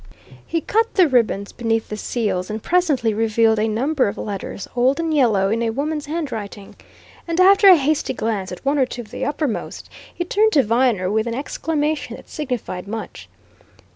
He cut the ribbons beneath the seals, and presently revealed a number of letters, old and yellow, in a woman's handwriting. And after a hasty glance at one or two of the uppermost, he turned to Viner with an exclamation that signified much.